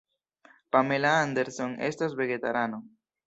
Pamela Anderson estas vegetarano.